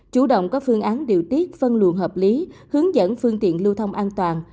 chủ động có phương án điều tiết phân luận hợp lý hướng dẫn phương tiện lưu thông an toàn